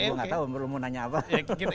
gua enggak tau gua mau nanya apa